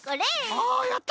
あやった！